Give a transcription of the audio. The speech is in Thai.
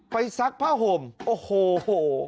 ซักผ้าห่มโอ้โห